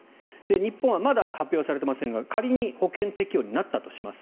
日本はまだ発表されていませんが仮に保険適用になったとします。